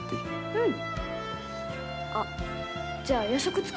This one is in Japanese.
うん。